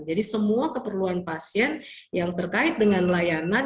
jadi semua keperluan pasien yang terkait dengan layanan